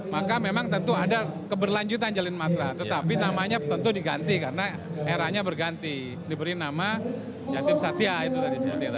maka memang tentu ada keberlanjutan jalin matra tetapi namanya tentu diganti karena eranya berganti diberi nama jatim satya itu tadi seperti itu